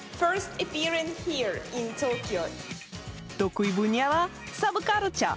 得意分野は、サブカルチャー。